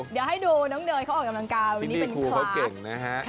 เดี๋ยวให้ดูน้องเนยเขาออกกำลังกาววันนี้เป็นคลาส